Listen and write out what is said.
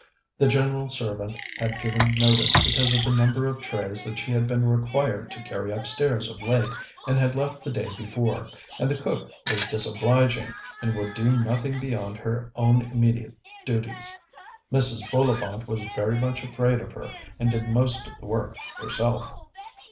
The general servant had given notice because of the number of trays that she had been required to carry upstairs of late, and had left the day before, and the cook was disobliging and would do nothing beyond her own immediate duties. Mrs. Bullivant was very much afraid of her, and did most of the work herself.